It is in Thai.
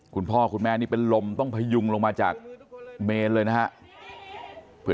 คุณพ่อคุณแม่นี่เป็นลมต้องพยุงลงมาจากเมนเลยนะครับ